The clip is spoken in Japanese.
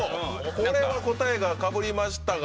答えがかぶりましたが。